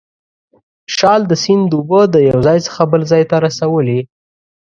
شال د سیند اوبه د یو ځای څخه بل ځای ته رسولې.